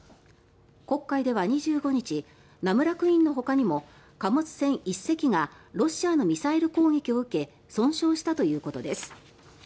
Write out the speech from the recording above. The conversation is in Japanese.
黒海では２５日「ナムラ・クイーン」のほかにも貨物船１隻がロシアのミサイル攻撃を受け損傷したということです。